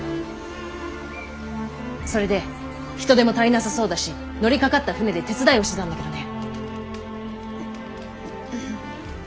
それで人手も足りなさそうだし乗りかかった船で手伝いをしてたんだけどね。